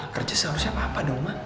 kerja seharusnya papa dong ma